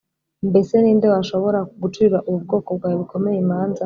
Mbese ni nde washobora gucira ubu bwoko bwawe bukomeye imanza?”